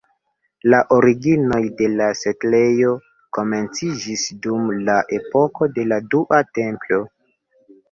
La originoj de la setlejo komenciĝis dum la epoko de la Dua Templo.